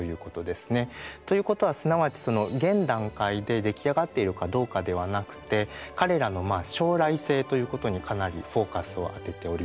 ということはすなわち現段階で出来上がっているかどうかではなくて彼らのまあ将来性ということにかなりフォーカスを当てております。